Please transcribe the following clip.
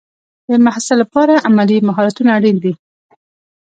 د محصل لپاره عملي مهارتونه اړین دي.